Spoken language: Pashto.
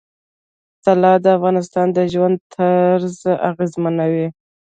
طلا د افغانانو د ژوند طرز اغېزمنوي.